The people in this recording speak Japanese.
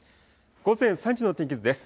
午前３時の天気図です。